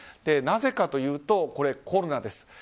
なぜかというと、コロナです。